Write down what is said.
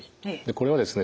これはですね